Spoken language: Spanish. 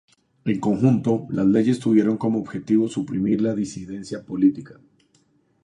En conjunto, las leyes tuvieron como objetivo suprimir la disidencia política.